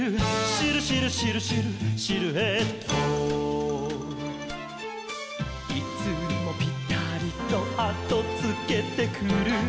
「シルシルシルシルシルエット」「いつもぴたりとあとつけてくる」